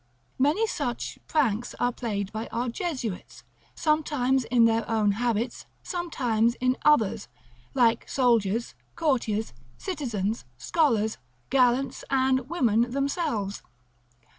Many such pranks are played by our Jesuits, sometimes in their own habits, sometimes in others, like soldiers, courtiers, citizens, scholars, gallants, and women themselves.